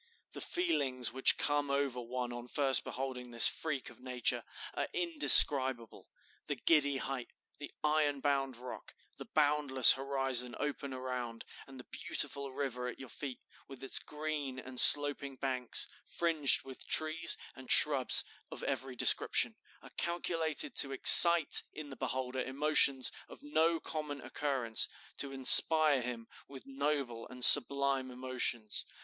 The feelings which come over one on first beholding this freak of nature are indescribable. The giddy height, the iron bound rock, the boundless horizon open around, and the beautiful river at your feet, with its green and sloping banks, fringed with trees and shrubs of every description, are calculated to excite in the beholder emotions of no common occurrence, to inspire him with noble and sublime emotions.